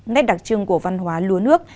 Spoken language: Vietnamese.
nét đặc trưng của văn hóa lúa nước